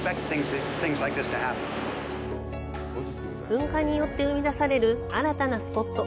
噴火によって生み出さる新たなスポット。